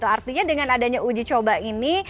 artinya dengan adanya uji coba ini